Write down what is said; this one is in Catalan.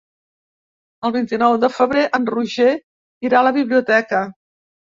El vint-i-nou de febrer en Roger irà a la biblioteca.